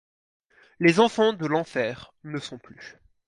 Les Enfants de l’Enfer ne sont plus.